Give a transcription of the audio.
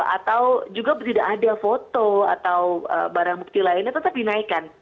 atau juga tidak ada foto atau barang bukti lainnya tetap dinaikkan